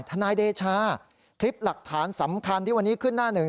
ทนายเดชาคลิปหลักฐานสำคัญที่วันนี้ขึ้นหน้าหนึ่ง